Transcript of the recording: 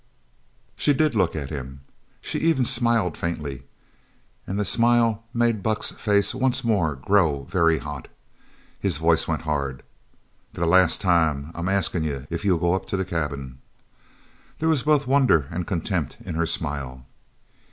She did look at him. She even smiled faintly, and the smile made Buck's face once more grow very hot. His voice went hard. "For the last time, I'm askin' if you'll go up to the cabin." There was both wonder and contempt in her smile.